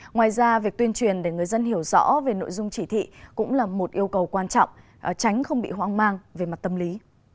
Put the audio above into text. ngoài ra việc tuyên truyền để người dân hiểu rõ về nội dung chỉ thị cũng là một yêu cầu quan trọng tránh không bị hoang mang về mặt tâm lý